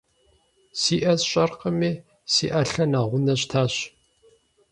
Си ӏэ сщӏэркъыми, си ӏэлъэ нэгъунэ щтащ.